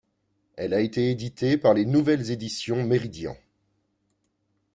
Elle a été éditée par Les Nouvelles Editions Meridian.